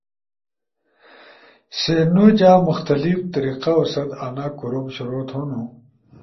سی نو جا مختلف طریقاو ست آنا کوروم شروع تھونو۔